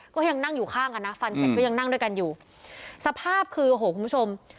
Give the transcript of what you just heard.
ก็ยังนั่งอยู่ข้างกันนะฟันเสร็จก็ยังนั่งด้วยกันอยู่สภาพคือโอ้โหคุณผู้ชม